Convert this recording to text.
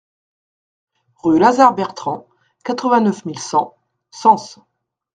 Rue Lazare Bertrand, quatre-vingt-neuf mille cent Sens